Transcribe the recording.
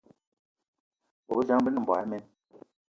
Bobejang, be ne mboigi imen.